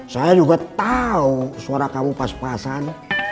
saya juga tahu suara kamu pas pasan